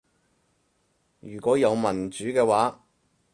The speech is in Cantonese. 如果有民主嘅話